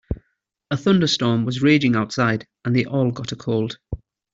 A thunderstorm was raging outside and they all got a cold.